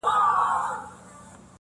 له هوا یوه کومول کښته کتله؛